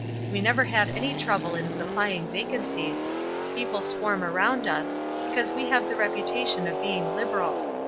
We never have any trouble in supplying vacancies. People swarm around us, because we have the reputation of being liberal.